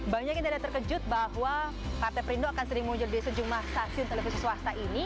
banyak yang tidak terkejut bahwa partai perindo akan sering muncul di sejumlah stasiun televisi swasta ini